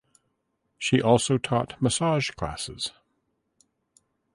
She also taught massage classes.